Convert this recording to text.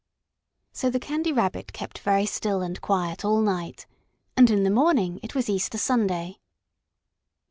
So the Candy Rabbit kept very still and quiet all night, and in the morning it was Easter Sunday.